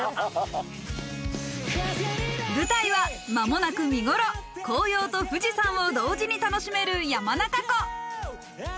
舞台は間もなく見ごろ、紅葉と富士山を同時に楽しめる山中湖。